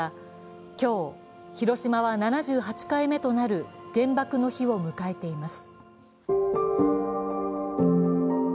今日、広島は７８回目となる原爆の日を迎えています。